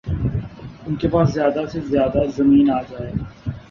ان کے پاس زیادہ سے زیادہ زمین آجائے